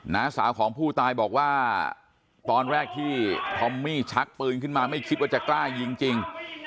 น้าสาวของผู้ตายบอกว่าตอนแรกที่ทอมมี่ชักปืนขึ้นมาไม่คิดว่าจะกล้ายิงจริง